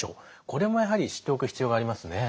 これもやはり知っておく必要がありますね。